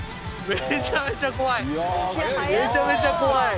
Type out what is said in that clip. めちゃめちゃ怖い！